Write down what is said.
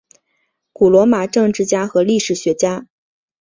古罗马政治家与历史学家。